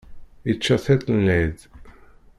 Ičča tiṭ n lɛid.